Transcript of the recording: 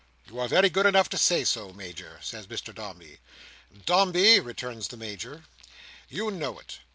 "You are good enough to say so, Major," says Mr Dombey. "Dombey," returns the Major, "you know it.